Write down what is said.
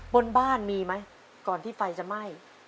บนบ้านมีไหมก่อนที่ไฟจะไหม้